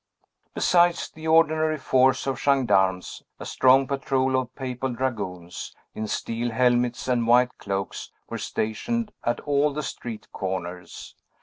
Besides the ordinary force of gendarmes, a strong patrol of papal dragoons, in steel helmets and white cloaks, were stationed at all the street corners.